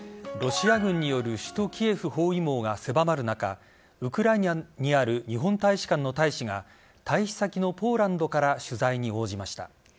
ロシア軍による首都・キエフ包囲網が狭まる中ウクライナにある日本大使館の大使が退避先のポーランドから取材に応じました。